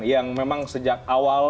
yang memang sejak awal